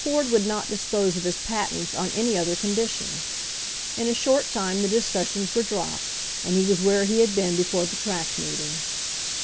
Ford would not dispose of his patents on any other condition. In a short time the discussions were dropped, and he was where he had been before the track meeting.